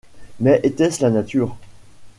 Mais était-ce la nature?